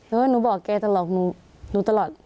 เฮ้ยหนูบอกแกตลอดหนูตลอด